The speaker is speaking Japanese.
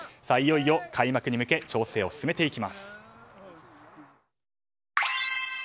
いよいよ開幕に向け調整を進めていきます。